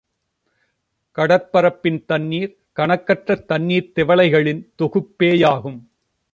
கடற்பரப்பின் தண்ணீர் கணக்கற்ற தண்ணீர்த் திவலைகளின் தொகுப்பேயாகும்.